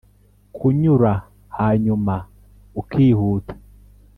kunyura, hanyuma ukihuta,